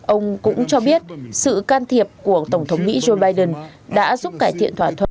ông cũng cho biết sự can thiệp của tổng thống mỹ joe biden đã giúp cải thiện thỏa thuận